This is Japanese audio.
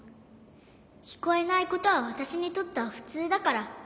きこえないことはわたしにとってはふつうだから。